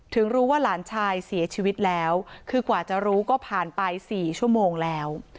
รู้ว่าหลานชายเสียชีวิตแล้วคือกว่าจะรู้ก็ผ่านไป๔ชั่วโมงแล้ว